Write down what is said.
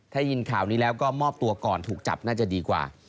ถ้ายินข่าวนี้แล้วก็มอบตัวก่อนถูกจับน่าจะดีกว่า